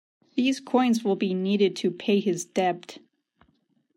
These coins will be needed to pay his debt.